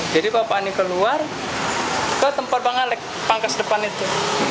jadi bapak ini keluar ke tempat pangkas depan itu